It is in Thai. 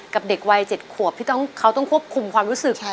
เด็กวัย๗ขวบที่เขาต้องควบคุมความรู้สึก